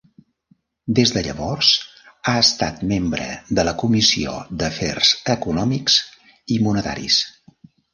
Des de llavors ha estat membre de la Comissió d'Afers Econòmics i Monetaris.